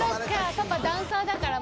パパダンサーだから元。